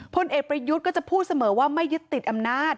พลเอกประยุทธ์ก็จะพูดเสมอว่าไม่ยึดติดอำนาจ